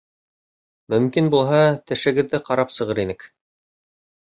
— Мөмкин булһа, тешегеҙҙе ҡарап сығыр инек...